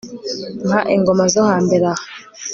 Nka ingoma zo hambere aha